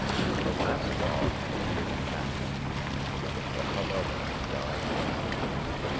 The last dog had been driven back. The hubbub died down.